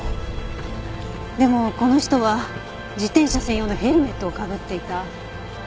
でもこの人は自転車専用のヘルメットをかぶっていた。